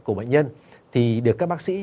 của bệnh nhân thì được các bác sĩ